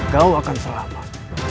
kau akan selamat